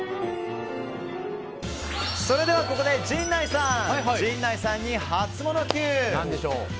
それでは、ここで陣内さんにハツモノＱ。